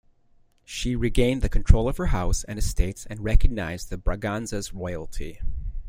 She regained the control of her House and estates and recognised the Braganzas royalty.